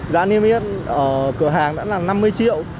giá niêm yết ở cửa hàng đã là năm mươi triệu